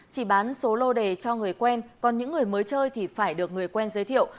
chỉ bán số lô đề cho người quen còn những người mới chơi thì phải được người quen giới thiệu